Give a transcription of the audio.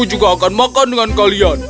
tidak ada yang akan makan dengan kalian